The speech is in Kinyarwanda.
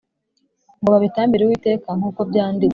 ngo babitambire Uwiteka nk uko byanditswe